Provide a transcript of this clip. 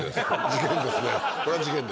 事件ですね。